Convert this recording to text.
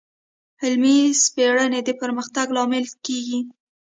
علمي سپړنې د پرمختګ لامل کېږي.